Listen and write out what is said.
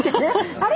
あれ？